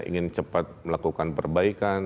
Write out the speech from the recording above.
ingin cepat melakukan perbaikan